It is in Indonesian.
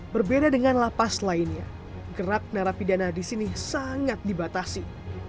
berbeda dengan lapas lainnya gerak narapidana disini sangat dibatasi